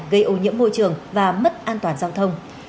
gây ô nhiễm môi trường và mất an toàn giao thông